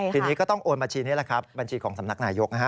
ทีนี้ก็ต้องโอนบัญชีนี้แหละครับบัญชีของสำนักนายกนะฮะ